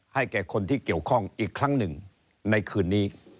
แก่คนที่เกี่ยวข้องอีกครั้งหนึ่งในคืนนี้